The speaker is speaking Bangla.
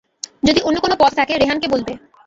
যদি অন্য কোন পথ থাকে রেহান কে বলবে।